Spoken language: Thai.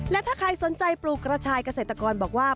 และถ้าใครสนใจปลูกกระชายเกษตรกรบอกว่า